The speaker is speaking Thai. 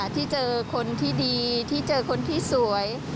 ที่เจอคนที่ดีที่เจอคนที่สวย